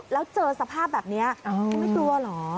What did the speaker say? แล้วเจอสภาพแบบนี้ไม่กลัวเหรอ